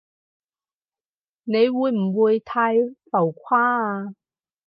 你會唔會太浮誇啊？